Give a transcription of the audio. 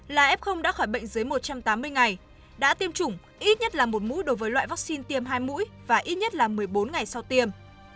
là f đã khỏi bệnh dưới một trăm tám mươi ngày đã tiêm chủng ít nhất là một mũi đối với loại vaccine tiêm hai mũi và ít nhất là một mươi bốn ngày sau tiêm